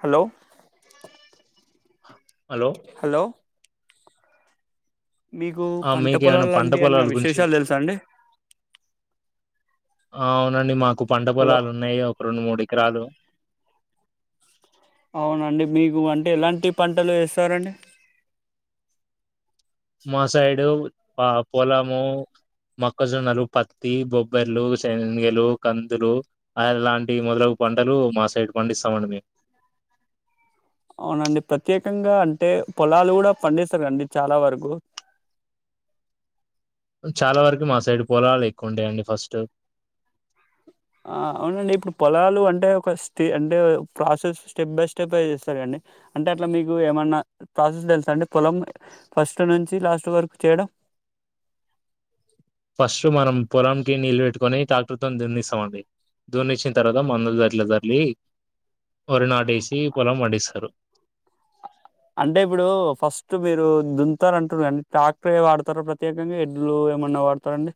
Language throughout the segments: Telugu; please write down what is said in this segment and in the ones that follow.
హలో. Hello hello. మీకు ఆ పంట మీకేమైనా పొలాల పంట లాంటివి ఎన్న పొలాల గురించి విశేషాలు తెలుసా అండి. ఆ అవునండి మాకు. పంట హలో పొలాలు ఉన్నాయి. రెండు మూడు ఎకరాలు. అవునండి మీకు అంటే ఎలాంటి పంటలు ఎస్తారుండి. మా సైడు, పొలము, మొక్కజొన్నలు, పత్తి, బొబ్బర్లు, శనగలు, కందులు అలాంటి, మొదలగు పంటలు, మా సైడు పండిస్తామండి, మేము. అవునండి ప్రత్యేకంగా అంటే, పొలాలు కూడా పండిస్తారుండి, చాలా వరకు. చాలా వరకు, మా సైడ్ పోలాలు ఎక్కువ ఉంటాయండి, ఫస్టు. ఆ అవునండి ఇప్పుడు పొలాలు అంటే, ఒక స్టే అంటే, ప్రాసెస్ స్టెప్ బై స్టెప్ చేస్తారు అండి, అంటే అట్లా మీకు ఏమన్నా, ప్రాసెస్ తెలుసా అండి పొలం ఫస్ట్ నుంచి లాస్ట్ వరకు చేయడం. ఫస్ట్ మనం పొలం కి, నీళ్ళ పెట్టుకొని. టాక్టర్ తోని దుర్నిస్తామండి, దుర్నిచ్చిన తర్వాత, మందులు అట్ల చల్లి. అంటే ఇప్పుడు, ఫస్టు మీరు. దుంతారు అంటున్నారు, టాక్టర్ ఏ వాడతారు ప్రత్యేకంగా, ఎడ్లు ఏమన్నా వాడతారండి.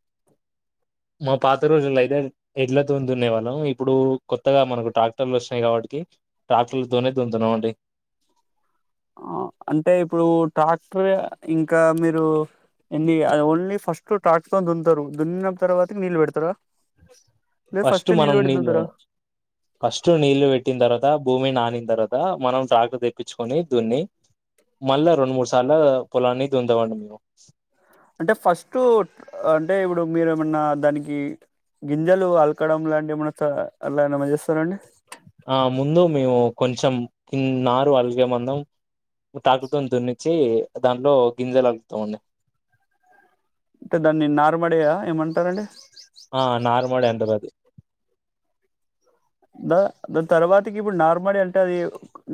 మా పాత రోజుల్లో అయితే, ఎడ్ల తోనే దున్నేవాళం, ఇప్పుడు కొత్తగా మనకు ట్రాక్టర్లు వచ్చినయి కాబట్టి, ట్రాక్టర్లతోనే దున్నుతున్నాం అండి. ఆ అంటే ఇప్పుడు ట్రాక్టర్ ఎ, ఇంకా మీరు ఎన్ని ఓన్లీ ఫస్ట్ ట్రాక్టర్ దున్నుతారు, దున్నిన తర్వాత నీళ్ళు పెడతారా. లేదు ఫస్ట్ నీళ్ళు మనం పెట్టి నీల్లె, దున్నుతారా ఫస్ట్ నీళ్ళు పెట్టిన తర్వాత భూమి నానిన తర్వాత. మనం ట్రాక్టర్ తెప్పిచుకొని, దున్ని, మళ్ళా రెండు మూడు సార్ల పొలాన్ని దుంతాము అండి. అంటే ఫస్ట్ అంటే ఇప్పుడు మీరు ఏమన్నా దానికి గింజలు అలకడం లాంటివి మార్తారా అలా ఎమన్నా చేస్తారండి. ఆ ముందు మేము కొంచెం నారు అలికే మందం ట్రాక్టర్ తోని దునిచ్చి దాంట్లో గింజలు అలుకుతామండి. అంటే దాన్ని నార్మడేయా ఏమంటారండి. ఆ నారుమడి అంటారు అది దా దాని తర్వాతకి ఇప్పుడు నార్మడి అంటే అది,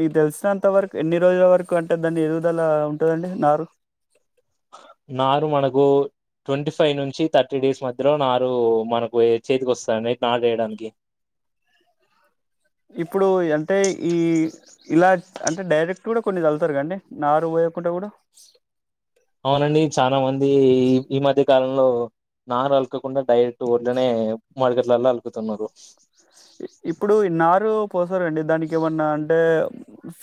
నీకు తెలిసినంత వరకు, ఎన్ని రోజుల వరకు అంటే, దాని ఎదుగుదల ఉంటదండి నారు. నారు మనకు, ట్వంటీ ఫైయి నుంచి థర్టీ డేస్ మధ్యలో, నారు మనకు, చేతికి వొస్తాడండి నరు వేయడానికి. ఇప్పుడు అంటే, ఈ ఇలా, అంటే డైరెక్ట్ కూడా కొన్ని చల్లతర్ కదండీ, నారు పోయకుండా కూడా. అవునండి చాలా మందీ ఈ మధ్య. కాలంలో నారు అలకకుండా డైరెక్ట్ ఊట్లోనే మడకట్లలో అలుకుతున్నారు. ఇప్పుడు ఇ నారు పోసరండి, దానికి ఏమన్నా అంటే,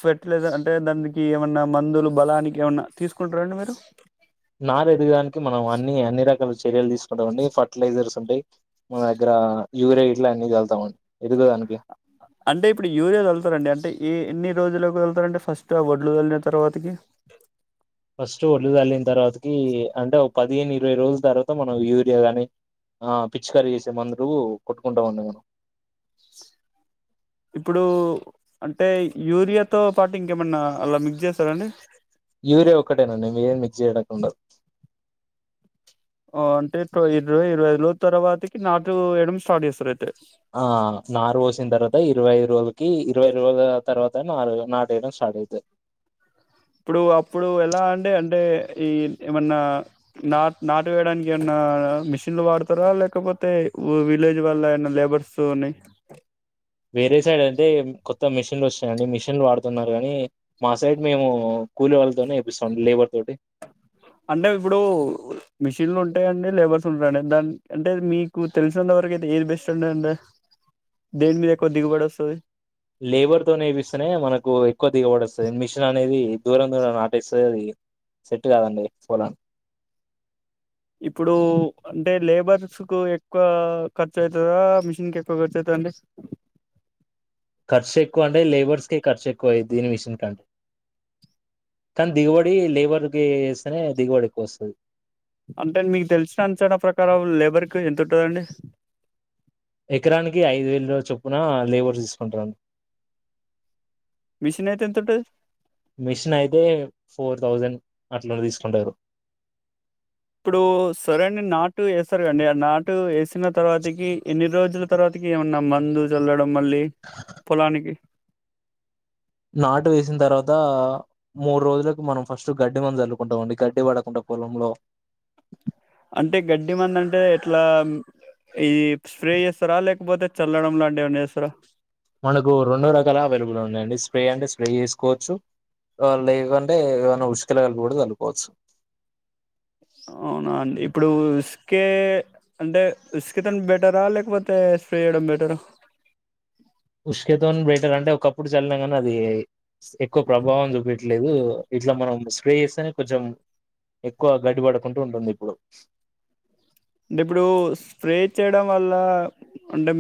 ఫర్టిలైజర్ అంటే దానికి ఏమన్నా మందులు, బలానికి ఏమన్నా తీసుకుంటారండి మీరు. నార్ ఎదుగడానికి, మనం అన్ని అన్ని రకాలు చి. తెరల్. అక్కఉండి ఫర్టిలైజర్స్. ఉండి. మా దగ్గర. యూరియా ఇట్లా అన్నీ జల్లుతామండి. అంటే ఇప్పుడు యూరియా చల్లుతారండి అంటే ఎ ఎన్ని. రోజుల్లోకి వెళ్తారండి ఫస్ట్ ఆ వడ్లు జల్లిన తర్వాతకి. ఫస్ట్ వడ్లు జల్లిన్ తర్వాతకి అంటే పదిహేను ఇరవై రోజుల తర్వాత మనం యూరియా గాని ఆహ్ పిచ్చుకరీ చేసే మందు కొట్టుకుంటా ఉన్నాము. ఇప్పుడు అంటే యూరియాతో పాటు ఇంకేమన్నా అలా మిక్స్ చేశారండి. యూరియా ఒక్కటేనండి మీరి మిక్స్ చేయడానికి ఉండదు. అంటే ఇరవ ఇరవై ఐదులో తర్వాతకి నాటు వేయడం స్టార్ట్ చేస్తారు అయితే. ఆహ్ నారు పోసిన తర్వాతా ఇరవై ఇరవై ఐదు లకు ఇరవై ఇరవై ఐదు రోజుల తర్వాత నారు నాటు వేయడం స్టార్ట్ అయితది. ఇప్పుడు అప్పుడు ఎలా అంటే అంటే ఈ ఏమన్నా నాట్ నాటు వేయడానికి ఏమన్నా మిషిన్లు వాడతారా లేకపోతే విలేజ్ వల్ల ఏంన్నా లేబర్స్ ని. వేరే సైడ్ అయితే కొత్త. కోత్త మిషన్లు వస్తున్నాయి అండి మిషిన్లు వాడుతున్నారు కానీ మా సైడ్ మేము కూలీ వాళ్ళతోనే చేపిస్తామండి లేబర్ తోటి అంటే ఇప్పుడు మిషిన్లు ఉంటాయండి లేబర్స్ ఉంటాయండి. దాని అంటే మీకు తెలిసినంతవరకు అయితే ఏది బెస్ట్ ఉన్నాయి అంటే దేని మీద ఎక్కువ దిగుబడి వస్తది. లేబర్ తో నేపిస్తేనే మనకు ఎక్కువ దిగబడి వస్తది మిషన్ అనేది దూరం దూరం నాటేస్తది. అది సెట్ కాదండి ఫోలానికి. ఇప్పుడు అంటే లేబర్స్ కు ఎక్కువ ఖర్చు అయితదా. మిషన్ కి ఎక్కువ ఖర్చు అయితదా అండి. ఖర్చు ఎక్కువ అంటే లేబర్స్కే ఖర్చు ఎక్కువగా అయిది దీని మిషన్ కంటే కానీ దిగుబడి లేబర్కి ఇస్తేనే దిగుబడి ఎక్కువ వస్తది. అంటే మీకు తెలిసిన అంచనా ప్రకారం లేబర్కి ఎంత ఉంటదండి. ఎకరానికి ఐదు వేల చొప్పున లేబర్స్ తీసుకుంటారు. మిషన్ అయితే ఎంత ఉంటది. మిషన్ అయితే ఫోర్ థౌజండ్ అట్లా తీసుకుంటారు. ఇప్పుడు సరేనా నాటు వేస్తారు కదాండి ఆ నాటు వేసిన తర్వాతికి ఎన్ని రోజులు తర్వాతకి ఏమన్నా మందు చల్లడం. మళ్ళీ పొలానికి. నాటు వేసిన తర్వాత మూడు రోజులకు మనం ఫస్ట్ గడ్డి మందు జల్లుకుంటాంమండి గడ్డి పడకుండా పొలంలో అంటే గడ్డి మందు అంటే ఎట్లా ఇది స్ప్రే చేస్తారా. లేకపోతే చల్లడం లాంటి ఏమన్న చేస్తారా. మనకు రెండు రకాల అవైలబుల్ ఉన్నాయండి. స్ప్రే అంటే స్ప్రే చేసుకోవచ్చు లేకుంటే ఏమనా ఉసుకలు కలిపి కూడా కలుపుకోవచ్చు అవునా అండి ఇప్పుడు ఉసుకే అంటే ఉసుకతోన బెటరా లేకపోతే స్ప్రే చేయడం బెటరా. ఉష్కతోని బేటర్ అంటే ఒకప్పుడు జల్నా నీ అది ఎక్కువ ప్రభావం చూపట్లేదు. ఇట్లా మనం స్ప్రే చేస్తేనే కొంచెం ఎక్కువ గడ్డిపడుకుంటూ ఉంటుంది ఇప్పుడు. అంటే ఇప్పుడు స్ప్రే చేయడం వల్ల అంటే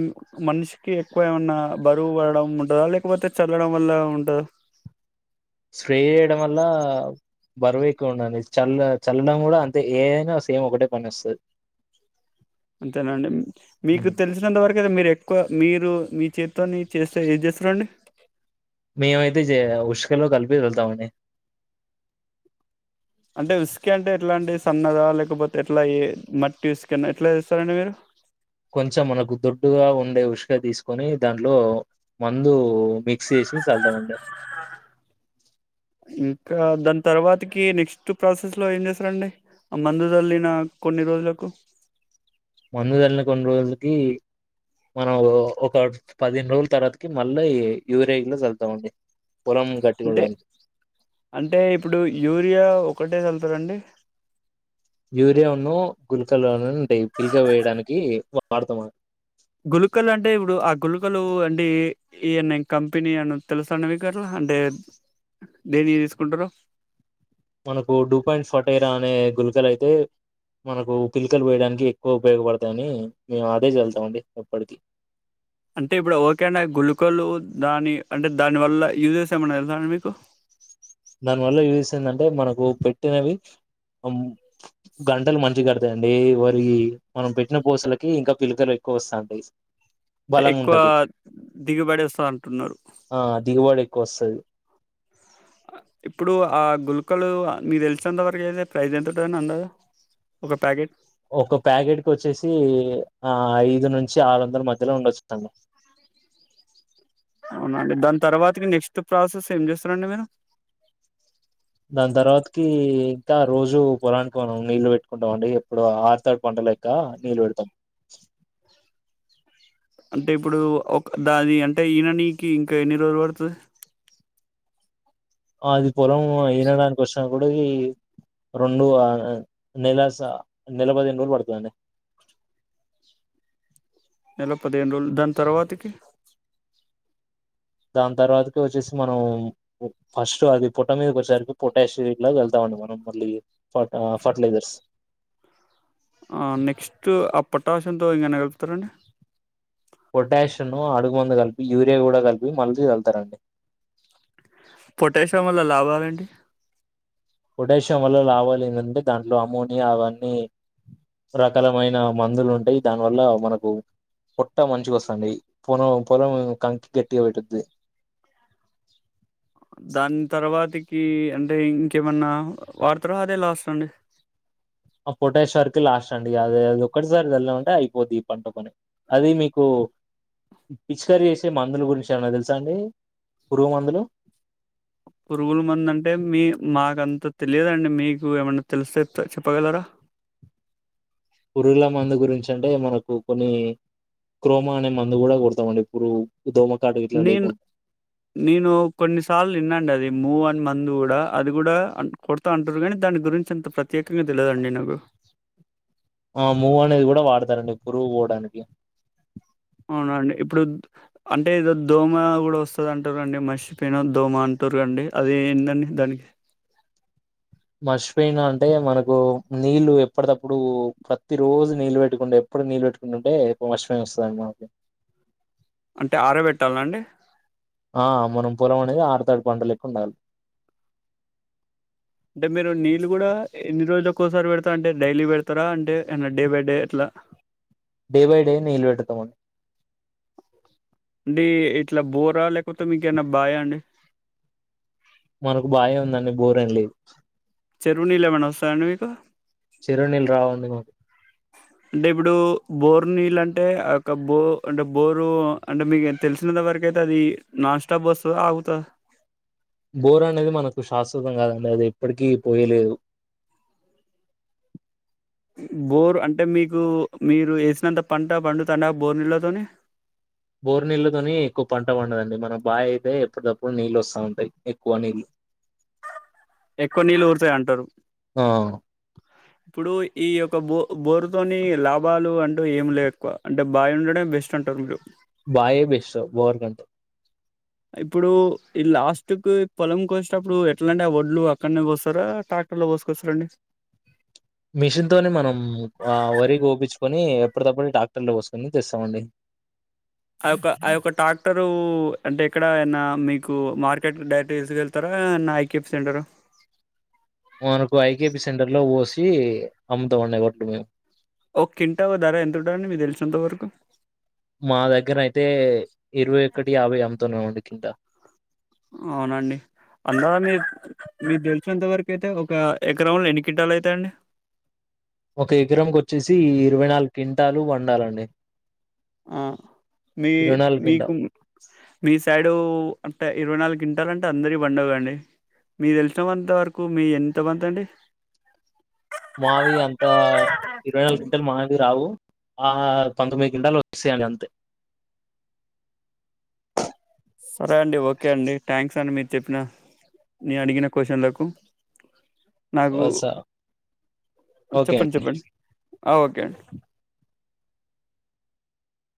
మనిషికి ఎక్కువ ఏమన్నా బరువు పడడం ఉంటదా లేకపోతే చల్లడం వల్ల ఉంటదా. స్ప్రే చేయడం వల్ల బరువు ఎక్కువ ఉండాలి చల్ల చల్లడం కూడా అంతే ఏదైనా సేమ్ ఒకటే పనిస్తది. అంతేనండి మీకు తెలిసినంతవరకు అదే మీరు ఎట్ ఒక మీరు మీచేత్తోనీ చేస్తే ఏదీ చేస్తారండి. మేమైతే చేయ ఉసుకాలో కల్పిపీ వేల్తామండి. అంటే ఉస్కె అంటే ఎట్లా అండి. సన్నదా లేకపోతే ఎట్లా మట్టి ఉసికనా ఎట్లా చేస్తారండి మీరు. కొంచెం మనకు దొడ్డుగా ఉండే ఉసుగా తీసుకొని దాంట్లో మందు మిక్స్ చేసి చల్తాం అండి. ఇంకా దాని తర్వాతకి నెక్స్ట్ ప్రాసెస్ లో ఏం చేస్తారండి. ఆ మందు చల్లిన కొన్ని రోజులకు మందు చల్లిన కొన్ని రోజులకి మనం ఒక పదిహేను రోజుల తర్వాతకి మళ్ళ యూరియా చల్తామండి. అంటే అంటే ఇప్పుడు యూరియా ఒకటే చల్ కదా అండి. యూరియానో గుల్కలోనో ఉంటాయి పిలక వేయడానికి వాడుతాము. గులుకలు అంటే ఇప్పుడు ఆ గులుకలు అంటే ఏ అన్నా కంపెనీ అన్న తెలుస అండి మీకు అంటే దేన్ని తీసుకుంటారో. టూ పాయింట్ ఫెటైరా అనే గులకలు అయితే మనకు పిలికలు వేయడానికి ఎక్కువ ఉపయోగపడతాయని మేము అదే చల్తా మండి ఎప్పటికి అంటే ఇప్పుడు ఓకే అండి గులకలు దాని అంటే దానివల్ల యూజెస్ ఏమన్నా తెలుసా అండి మీకు. దానివల్ల యూజెస్ ఏందంటే మనకు పెట్టినవి గంటలు మంచిగ కడతాయండి వరి మనం పెట్టిన పూసలకి ఇంకా పిలకలు ఎక్కువ వస్తా ఉంటాయి అంటే ఎక్కువ దిగుబడి వస్తా అంటున్నారు. ఆ దిగుబడి ఎక్కువ వస్తది ఇప్పుడు ఆ గులుకలు మీకూ తెలిసినంతవరకు ఏతే ప్రైస్ ఎంత ఉంటుందన్న ఒక ప్యాకెట్. ఒక ప్యాకెట్ కి వచ్చేసి ఆ ఐదు నుంచి ఆరు వందల మధ్యలో ఉండొచ్చండి అవునండి దాని తర్వాతకి నెక్స్ట్ ప్రాసెస్ ఏం చేస్తారండి మీరు కి ఇంకా రోజు పొలానికి మనం నీళ్లు పెట్టుకుంటాం అండి ఎప్పుడు ఆర్థర్డ్ పంట లెక్క నీళ్లు పెడతాం అంటే ఇప్పుడు ఒక దాది అంటే ఈననీ కి ఇంకా ఎన్ని రోజులు పడుతది అది పొలం ఈనడానికి వచ్చినప్పటికీ రెండు వారా నెల సా నెల పదిహేను రోజులు పడతదండి నెల పదిహేను రోజులు దాని తర్వాతికి దాని తర్వాతకి వచ్చేసి మనం ఫస్ట్ అది పొట్ట మీదకి వచ్చసరికి పొటాష్ షేక్ల చల్తామండి మనం మళ్ళీ ఫట ఫర్టిలైజర్స్ ఆ నెక్స్ట్ ఆ పోటాశంతో ఇంకేం కలుపుతార్ అండి పొటాషియంను అడుగు ముందు కలిపి యూరియా కూడా కలిపి మంచిగ చల్లుతారండి పొటాషియం వల్ల లాభాలేంటి పొటాషియం వల్ల లాభాలు ఏంటంటే దాంట్లో అమోనియా అవన్నీ రకాలమైన మందులు ఉంటాయి దానివల్ల మనకు పొట్ట మంచిగా వస్తది పొలం పొలం కంకి గట్టిగ పెట్టిది దాని తర్వాతికి అంటే ఇంకేమన్నా వాడుతరా అదే లాస్ట్ అండి ఆ పొటాష్ వరకు లాస్ట్ అండి అదేది ఒక్కటి సాల్ నెల ఉంటే అయిపోద్ది. పంటపని అది మీకు పిచ్చికరీ చేసే మందులు గురించి ఏమనా తెలుసా అండి పురుగు మందులు పురుగుల మంది అంటే మీ మాక అంత తెలియదండి మీకు ఏమైన్నా తెలిస్తే తే చెప్పగలర పురుగుల మందు గురించి అంటే మనకు కొన్ని క్రోమో అనే మందు కూడా కొడతామండి పురు నేను నేను కొన్నిసార్లు విన్నాండి అది మూ మందు కూడా అది కూడా కొడుతా అంటారు కానీ దాని గురించి అంత ప్రత్యేకంగా తెలియదుండి నాకు ఆ మూవ్ అనేది కూడా వాడతారండి పూరువు పోవడానికి అవునండి ఇప్పుడు అంటే ఏదో దోమ కూడా వస్తది అంటారుండి మర్చిపోయిన దోమ అంటారు అండి అది ఏందండి దానికి మచిపోయినా అంటే మనకు నీళ్ళలు ఎప్పటికప్పుడు ప్రతి రోజు నీళ్ళు పెట్టుకుంటే ఎప్పుడు నీళ్ళు పెట్టుకుంటుంటే మచిపో వస్తుందిండి మనకి అంటే ఆరే పెట్టాలన అండి ఆ మనం పొలం అనేది ఆరుతడు పంట లేక్క ఉంటది అంటే మీరు నీళ్ళు కూడ ఎన్ని రోజులుక్కసారి పెడతా అంటే డైలీ పెడతారా అంటే ఏ డే బై డే ఎట్ల డే బై డే నిల్ పెడతామండ్ అండి ఇట్ల బోరా లేకపోతే మీకేమన్న బాయా అండి మనకు బాయే ఉందండి బోర్ ఏం లేదు చెరువు నీళ్ళ ఏమన్న వస్తాయ అండి మీకు చెరువు నీళ్ళు రావండి మాకు అంటే ఇప్పుడు బోర్ నీళ్ళు అంటే బో అంటే బోరు అంటే మీకు తెలిసినంత వరకయితే అది నాన్ స్టాప్ వస్తుంద ఆగుతద బోర్ అనేది మనకు శాశ్వతం కాదండి అది ఎప్పటికి పోయలేదు బోర్ అంటే మీకు మీరు వేసినంత పంట పండు తండ బోర్ నీళ్ళతోని బోరు నీళ్లతోనీ ఎక్కువ పంట వండదండి మనం బావి అయితే ఎప్పుటి తప్పుడు నీళ్ళు వస్తా ఉంటాయి ఎక్కువ నీళ్ ఎక్కువ నీళ్ళు ఊరుతయ్ అంటరు ఇప్పుడు ఈ యొక్క బో బోరుతోని లాభాలు అంటూ ఏమి లేవు ఎక్కువ అంటే బాయ్ ఉండడం బెస్ట్ అంటరు మీరు బాయే బెస్ట్ బోర్ కంటే ఇప్పుడు ఈ లాస్ట్కి పొలం కోసేటప్పుడు ఎట్లా అంటే ఆ ఒడ్లు అక్కడ కో వస్తరా ట్రాక్టర్ లో కోసుకొస్తారండి మిషన్ తోనే మనం వరి కోపించుకొని ఎప్పటి తప్పుడు డాక్టర్లో వసుకొని తెస్తామండి ఆ యొక్క ఆ యొక్క ట్రాక్టరు అంటే ఎక్కడ ఏన్న మీకు మార్కెట్ డైరెక్ట్ తీసుక వెెళ్తారాన్న ఐక్యప్ సెంటరు చీ అమ్ంతం ఆన్నట్టు మేం ఓకేంట ఓ ధర ఎంత ఉంట అండి మీకు తెలిసినంత వరకు మా దగ్గర అయితే ఇరవై ఒకటి యాభై అమ్ముతున్నాం అండి కింద అవునండి అంద మీ మీరు తెలిసినంతవరకు అయితే ఒక ఎకరంలో ఎన్ని కట్టాలు అయితాయండి ఒక ఎకరంకి వచ్చేసి ఇరవై నాలుగు కింటాలు వండాలండి ఆ మీ మీకు కింటాలు మీ సైడు అంటే ఇరవై నాలుగు ఉంటాలంటే అందరి బండవుండి మీ తెలిసిన అంత వరకు మీ ఎంతమంత అండి మావి అంతా ఇరవైనాలుగ్ మావి రావు ఆ పంతొమ్మిది గింటలు వస్తేయి అంతే సరే అండి ఓకే అండి థ్యాంక్స్ సార్ మీరు చెప్పిన నేను అడిగిన క్యూస్షన్లకు నాకు ఓ స ఓకే చెప్పండి చెప్పండి ఆ ఓకే అండి